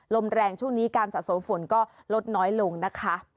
ลมแรงช่วงนี้การสะสมฝนก็ลดน้อยลงนะคะ